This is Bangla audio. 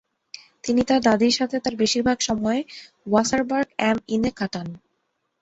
তিনি তার দাদীর সাথে তার বেশিরভাগ সময় ওয়াসারবার্গ অ্যাম ইন-এ কাটান।